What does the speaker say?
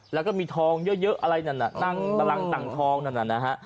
แล้วก็มีทองเยอะอะไรอย่างนั้นน่ะตั้งทองนั้นน่ะ